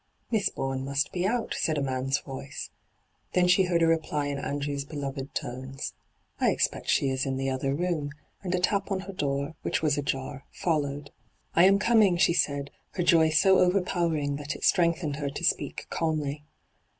'Miss Bourne must be out,' said a man's voice. Then she heard a reply in Andrew's beloved tones :* I expect she is in the other room ;' and a tap on her door, which was ajar, followed. ' I am coming,' she said, her joy so over powering that it strengthened her to speak calmly.